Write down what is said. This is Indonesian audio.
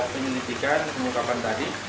penyelidikan yang kami lakukan tadi